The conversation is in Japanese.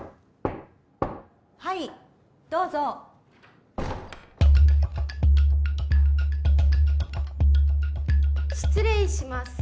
はいどうぞ失礼します